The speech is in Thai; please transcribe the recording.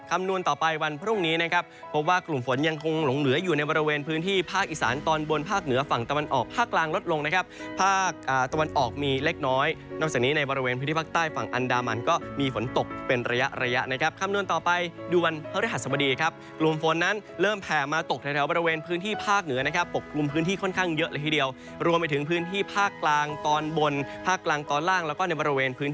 คำนวณต่อไปวันพรุ่งนี้นะครับพบว่ากลุ่มฝนยังคงหลงเหนืออยู่ในบริเวณพื้นที่ภาคอีสานตอนบนภาคเหนือฝั่งตะวันออกฝั่งฝั่งฝั่งฝั่งฝั่งฝั่งฝั่งฝั่งฝั่งฝั่งฝั่งฝั่งฝั่งฝั่งฝั่งฝั่งฝั่งฝั่งฝั่งฝั่งฝั่งฝั่งฝั่งฝั่งฝั่งฝั่งฝั่งฝั่งฝั่งฝั่งฝั่งฝ